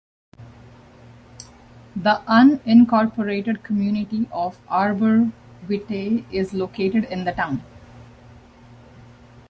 The unincorporated community of Arbor Vitae is located in the town.